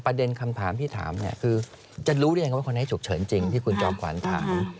ประเด็นคำถามที่ถามเนี่ยคือจะรู้ได้ยังไงว่าคนนี้ฉุกเฉินจริงที่คุณจอมขวัญถาม